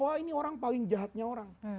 wah ini orang paling jahatnya orang